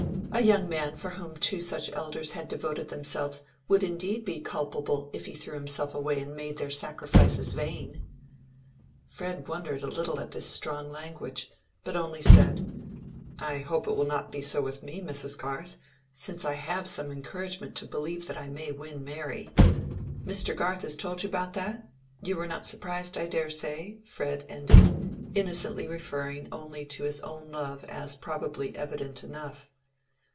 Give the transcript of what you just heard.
"A young man for whom two such elders had devoted themselves would indeed be culpable if he threw himself away and made their sacrifices vain." Fred wondered a little at this strong language, but only said, "I hope it will not be so with me, Mrs. Garth, since I have some encouragement to believe that I may win Mary. Mr. Garth has told you about that? You were not surprised, I dare say?" Fred ended, innocently referring only to his own love as probably evident enough.